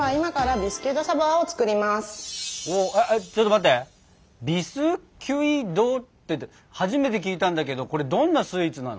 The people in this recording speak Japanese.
「ビスキュイ・ド」って初めて聞いたんだけどこれどんなスイーツなの？